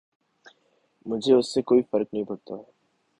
مجھے اس سے کوئی فرق نہیں پڑتا